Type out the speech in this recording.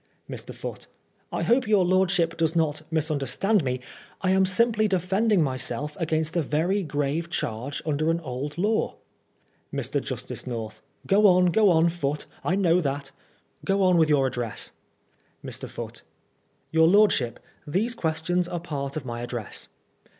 Mr. Foote : I hope your lordship does not misunderstand me. I am simply defenmng myself against a very grave charge under an old law. Mr. Justice North : Go on, go on, Foote. I know that Go on with your address. Mr. Foote : Tour lordship, these questions are part of my address.